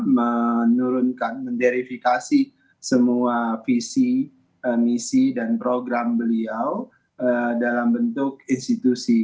menurunkan menderifikasi semua visi misi dan program beliau dalam bentuk institusi